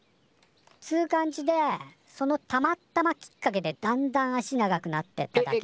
つう感じでそのたまったまきっかけでだんだん足長くなってっただけで。